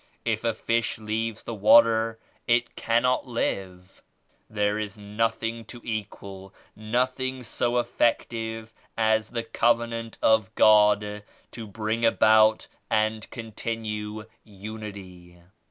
If a fish leaves the water it cannot live. There is nothing to equal, nothing so effective as the Cov enant of God to bring about and continue Unity.